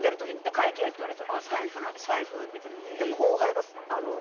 会計って言われて「あれ？財布ない財布」みたいな。